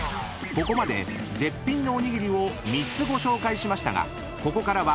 ［ここまで絶品のおにぎりを３つご紹介しましたがここからは］